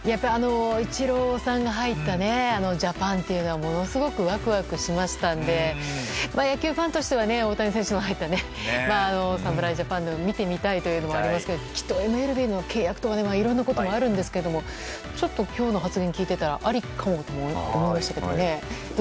イチローさんが入ったジャパンというのはものすごくワクワクしましたので野球ファンとしては大谷選手の入った侍ジャパンを見てみたいというのもありますがきっとＭＬＢの契約とかいろいろなことがあるんでしょうけどちょっと今日の発言を聞いていたらありかもと思いましたけどね。